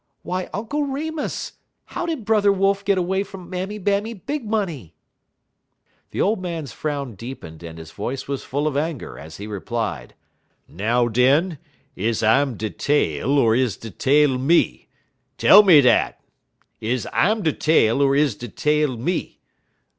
"Why, Uncle Remus! how did Brother Wolf get away from Mammy Bammy Big Money?" The old man's frown deepened and his voice was full of anger as he replied: "Now, den, is I'm de tale, er is de tale me? Tell me dat! Is I'm de tale, er is de tale me?